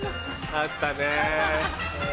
あったね。